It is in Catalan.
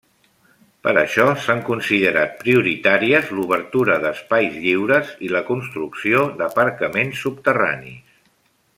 Per això, s'han considerat prioritàries l'obertura d'espais lliures i la construcció d'aparcaments subterranis.